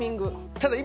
ただ今。